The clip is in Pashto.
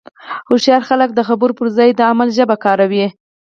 هوښیار خلک د خبرو پر ځای د عمل ژبه کاروي.